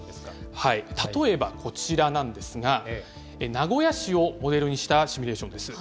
例えばこちらなんですが、名古屋市をモデルにしたシミュレーションです。